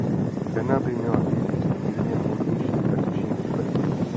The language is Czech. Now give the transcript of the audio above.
Fena by měla být vždy mírně mohutnější a těžší než pes.